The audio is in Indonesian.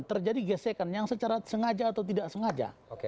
terjadi gesekan yang secara sengaja atau tidak sengaja